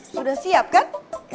sudah siap kan